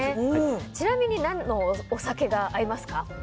ちなみに何のお酒が合いますか？